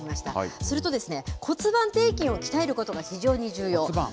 すると、骨盤底筋を鍛えることが非常に重要。